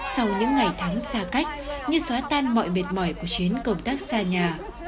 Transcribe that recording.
sau những ngày tháng xa cách như xóa tan mọi mệt mỏi của chuyến công tác xa nhà